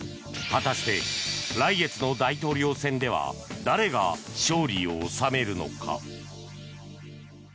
果たして来月の大統領選では誰が勝利を収めるのか。